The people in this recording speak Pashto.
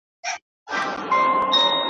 زموږ پر درد یې ګاونډي دي خندولي ,